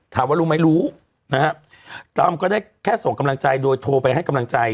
ถามว่ารู้ไม่รู้อัฐหลังก็ได้แค่ส่งกำลังใจโทรไปให้กำลังใจ